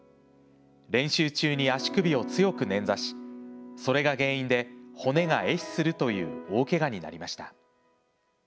練習中に足首を強く捻挫しそれが原因で骨がえ死するという大けがになりました。